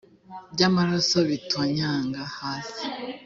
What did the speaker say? by amaraso bitonyanga hasi